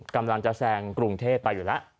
กำลังจะแซงกรุงเทพไปอยู่แล้ว